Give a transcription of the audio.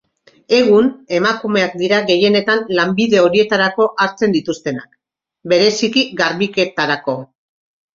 Egun, emakumeak dira gehienetan lanbide horietarako hartzen dituztenak, bereziki garbiketarako.